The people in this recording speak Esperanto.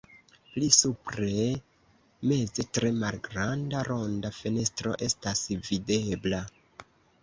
Pli supre meze tre malgranda ronda fenestro estas videbla.